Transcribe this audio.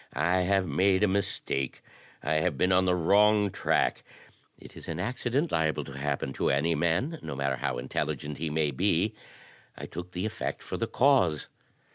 I have made a mistake. I have been on the wrong track; it is an accident liable to happen to any man, no matter how intelligent he may be. I took the effect for the cause.